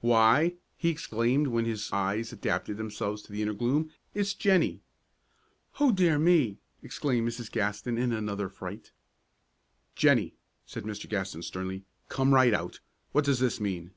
"Why!" he exclaimed, when his eyes had adapted themselves to the inner gloom, "it's Jennie!" "Oh, dear me!" exclaimed Mrs. Gaston, in another fright. "Jennie," said Mr. Gaston, sternly, "come right out. What does this mean?"